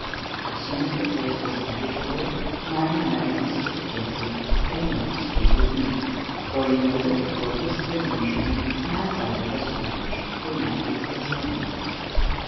As soon as the place was habitable, my mother and sister Jessie came out to stay with me, for in order to hold his pre emption my father was obliged to make it his "home."